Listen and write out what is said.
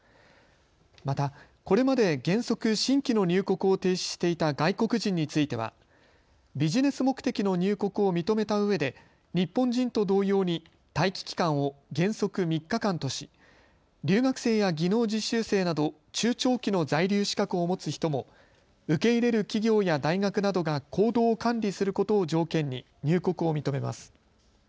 また、これまで原則新規の入国を停止していた外国人についてはビジネス目的の入国を認めたうえで日本人と同様に待機期間を原則３日間とし、留学生や技能実習生など中長期の在留資格を持つ人も受け入れる企業や大学などが行動を管理することを条件に入国を認めます。